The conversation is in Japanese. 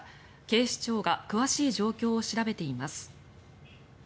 警視庁が詳しい状況を調べています。